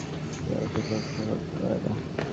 তুমি আমাদের উপেক্ষা করতে পারো না।